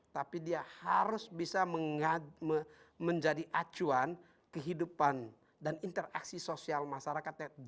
tapi dia harus bisa menjadi acuan kehidupan dan interaksi sosial masyarakatnya